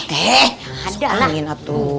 heeh suka angin atuh